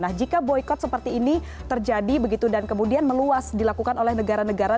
nah jika boykot seperti ini terjadi begitu dan kemudian meluas dilakukan oleh negara negara